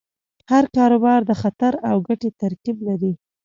هر کاروبار د خطر او ګټې ترکیب لري.